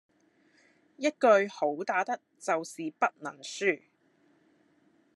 一句好打得就是不能輸